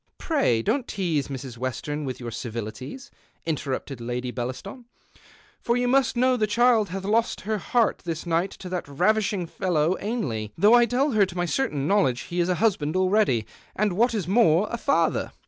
" Pray, don't tease Miss Western with your ei\ilities,'* interrupted Lady Bellaston, " for you must know the child hath lost her heart this night to that raxishing fellow Ainlev, though I tell her to my certain knowledge he is a husljand already, and, what is more, a father.